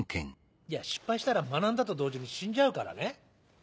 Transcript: いや失敗したら学んだと同時に死んじゃうからね。